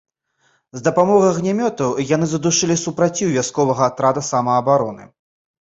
З дапамогай агнямётаў яны задушылі супраціў вясковага атрада самаабароны.